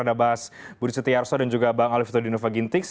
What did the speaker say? ada bas budi setiarto dan juga bang alif fetodinova gintik